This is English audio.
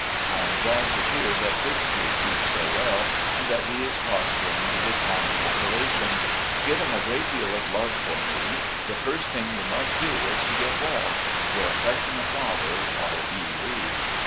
I am glad to hear that Fitzhugh keeps so well, and that he is prospering in his fanning operations. Give him a great deal of love for me. The first thing you must do is to get well. "Your affectionate father, "R. E. Lee."